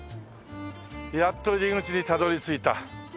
やっと入り口にたどり着いた。